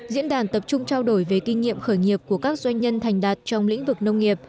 diễn đàn tập trung trao đổi về kinh nghiệm khởi nghiệp của các doanh nhân thành đạt trong lĩnh vực nông nghiệp